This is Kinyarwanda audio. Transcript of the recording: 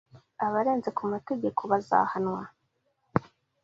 Abarenze ku mategeko bazahanwa.